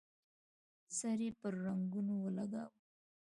سر يې پر زنګنو ولګاوه.